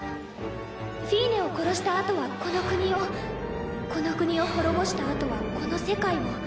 フィーネを殺したあとはこの国をこの国を滅ぼしたあとはこの世界を。